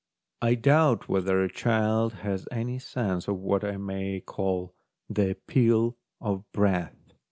I doubt whether a child has any sense of what I may call the appeal of breadth.